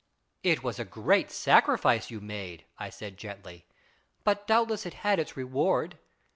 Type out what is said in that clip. " It was a great sacrifice you made," I said gently, " but doubtless it had its reward.